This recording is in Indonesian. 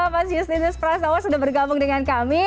mas justinus prastowo sudah bergabung dengan kami